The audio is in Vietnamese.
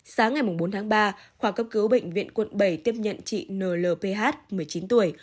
sáng ngày bốn tháng ba khoa cấp cứu bệnh viện quận bảy tiếp nhận chị nlph một mươi chín tuổi